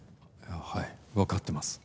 はい、分かってます。